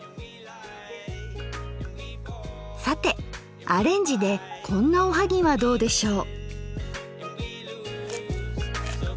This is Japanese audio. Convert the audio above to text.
さてアレンジでこんなおはぎはどうでしょう。